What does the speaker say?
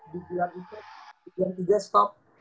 di bulan tiga stop